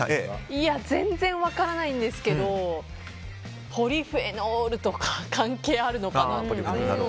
全然分からないんですけどポリフェノールとか関係あるのかなと。